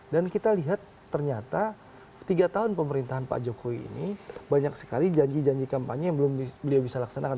dan kita lihat ternyata tiga tahun pemerintahan pak jokowi ini banyak sekali janji janji kampanye yang belum bisa dilaksanakan